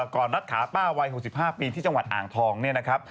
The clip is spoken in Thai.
รัดขาป้าวัย๖๕ปีที่จังหวัดอ่างทองเนี่ยนะครับ